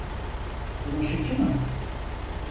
Bulaşıcı mı?